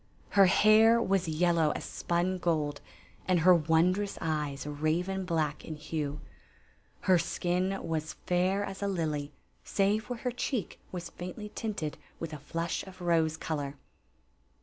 Her hair was yellow as spun gold, and her won drous eyes raven black in hue. Her skin was fair as a lily, save where her cheek was faintly tinted with a flush of rose color.